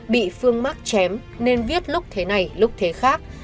bị phương mắc chém nên viết lúc thế này lúc thế khác